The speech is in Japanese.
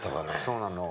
そうなの。